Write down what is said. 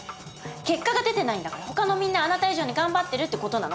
結果が出てないんだからほかのみんなあなた以上に頑張ってるって事なの。